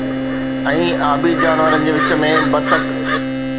۽ آبي جانورن جي وچ ۾ بتڪ